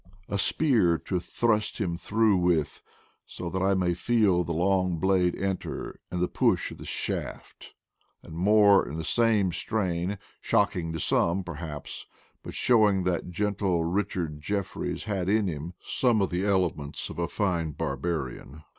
A spear to thrust him through with, so that I may feel the long blade enter, and the push of the shaft. " And more in the same strain, shocking to some, perhaps, but showing that gentle Richard Jeffe ries had in him some of the elements of a fine barbarian.